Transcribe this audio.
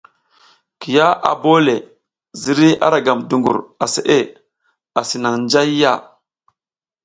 Kiya a bole le ziriy a ra gam dungur a seʼe asi nang njayya.